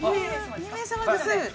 ２名様です。